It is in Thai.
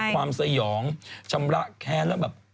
สยองชำระแค้นแล้วแบบ